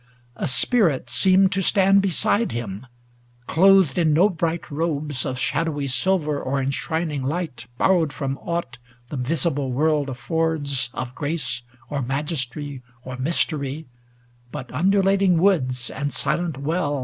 A Spirit seemed To stand beside him ŌĆö clothed in no bright robes 480 Of shadowy silver or enshrining light, Borrowed from aught the visible world afPords Of grace, or majesty, or mystery; But undulating woods, and silent well.